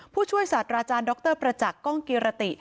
ผู้ช่วยศาสตร์ราจารย์ด็อกเตอร์ประจักษ์ก้องกิรติ